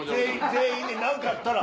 全員で何かあったら。